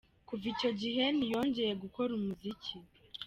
Kuva icyo gihe ntiyongeye gukora umuziki.